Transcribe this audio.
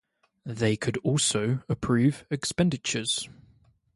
They could also approve expenditures.